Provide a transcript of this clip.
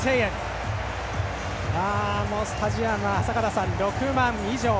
坂田さん、スタジアムは６万以上。